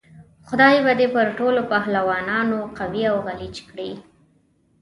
خدای به دې پر ټولو پهلوانانو قوي او غلیچ کړي.